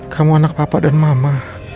kamu anak papa dan mama